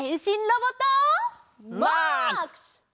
「マックス」！